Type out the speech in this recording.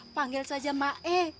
panggil saja ma e